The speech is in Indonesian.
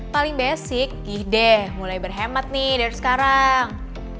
paling basic gede mulai berhemat nih dari sekarang